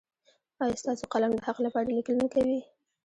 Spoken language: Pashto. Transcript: ایا ستاسو قلم د حق لپاره لیکل نه کوي؟